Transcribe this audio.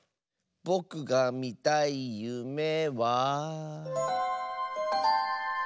ぼくがみたいゆめは。